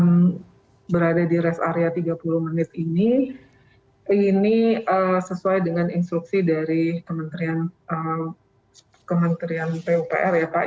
dan berada di rest area tiga puluh menit ini ini sesuai dengan instruksi dari kementerian pupr ya pak